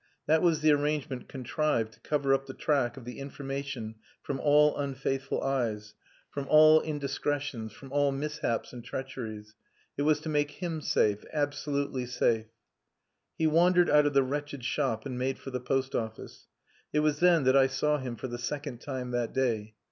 That was the arrangement contrived to cover up the track of the information from all unfaithful eyes, from all indiscretions, from all mishaps and treacheries. It was to make him safe absolutely safe. He wandered out of the wretched shop and made for the post office. It was then that I saw him for the second time that day.